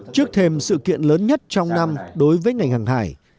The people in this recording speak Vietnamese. trước thêm sự kiện lớn nhất trong năm đối với ngành hàng hải